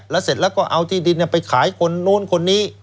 แล้วเสร็จแล้วก็เอาที่ดินไปขายคนนู้นคนนี้